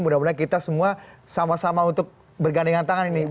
mudah mudahan kita semua sama sama untuk bergandingan tangan